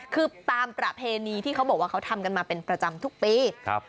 คือตามประเพณีที่เขาบอกว่าเขาทำกันมาเป็นประจำทุกปีครับ